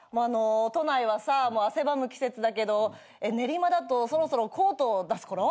都内はさもう汗ばむ季節だけど練馬だとそろそろコートを出すころ？